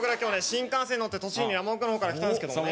新幹線に乗って栃木の山奥の方から来たんですけどもね。